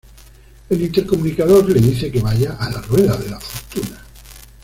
El intercomunicador le dice que vaya a la rueda de la fortuna.